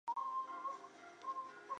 他的工作是令敌人迷失方向。